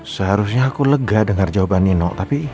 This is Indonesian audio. seharusnya aku lega dengar jawaban nino tapi